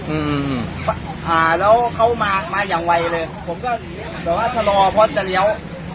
อืมอ่าแล้วเขามามาอย่างไวเลยผมก็แบบว่าชะลอเพราะจะเลี้ยว